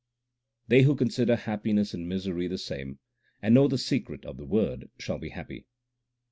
They who consider happiness and misery the same, and know the secret of the Word shall be happy.